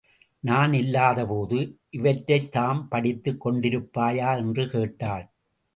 நான் இல்லாத போது, இவற்றைத்தாம் படித்துக் கொண்டிருப்பாயா? என்று கேட்டாள்.